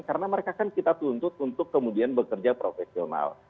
karena mereka kan kita tuntut untuk kemudian bekerja profesional